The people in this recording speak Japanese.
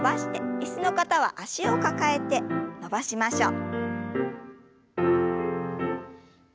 椅子の方は脚を抱えて伸ばしましょう。